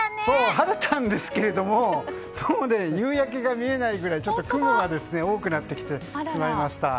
晴れたんですけれども夕焼けが見えないくらい雲が多くなってきてしまいました。